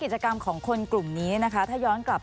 และการถึงพลอดอำนาจได้โดยดี